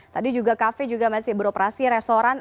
tadi juga kafe juga masih beroperasi restoran